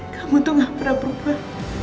kamu tuh gak pernah